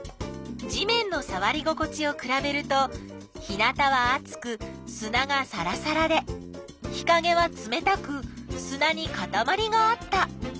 地面のさわり心地をくらべると日なたはあつくすながさらさらで日かげはつめたくすなにかたまりがあった。